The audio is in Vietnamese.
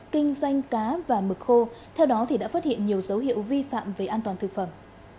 kinh doanh cá và mực khô theo đó đã phát hiện nhiều dấu hiệu vi phạm về an toàn thực phẩm